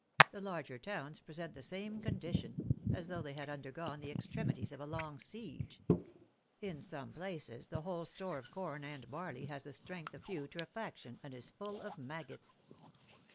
The larger towns present the same condition, as though they had undergone the extremities of a long siege. In some places the whole store of corn and barley has the stench of putrefaction, and is full of maggots.'